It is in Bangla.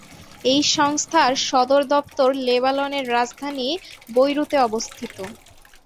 এই সংস্থার সদর দপ্তর লেবাননের রাজধানী বৈরুতে অবস্থিত।